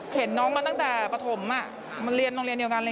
เห็นน้องมาตั้งแต่ปฐมมาเรียนโรงเรียนเดียวกันเลย